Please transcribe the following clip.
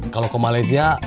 kalau ke malaysia